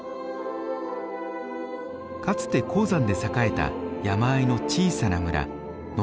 かつて鉱山で栄えた山あいの小さな村ノイベルク村です。